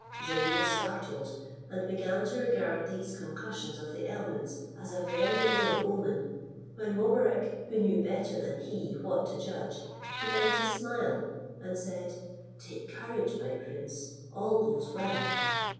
Zeyn was startled, and began to regard these concussions of the elements as a very ill omen, when Mobarec, who knew better than he what to judge, began to smile, and said, "Take courage, my prince, all goes well."